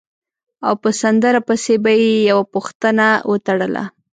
او په سندره پسې به یې یوه پوښتنه وتړله.